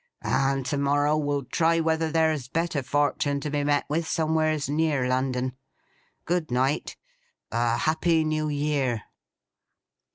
And to morrow will try whether there's better fortun' to be met with, somewheres near London. Good night. A Happy New Year!